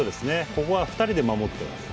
ここは２人で守ってます。